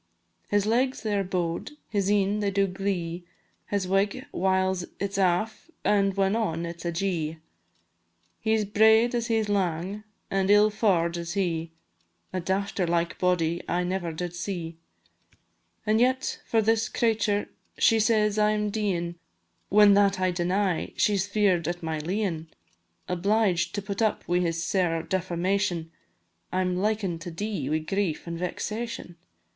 His legs they are bow'd, his een they do glee, His wig, whiles it 's aff, and when on, it 's ajee; He 's braid as he 's lang, an' ill faur'd is he, A dafter like body I never did see. An' yet for this cratur' she says I am deein', When that I deny, she 's fear'd at my leein'; Obliged to put up wi' this sair defamation, I'm liken to dee wi' grief an' vexation.